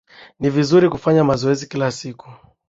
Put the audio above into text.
Ni vizuri kufanya mazoezi kila siku.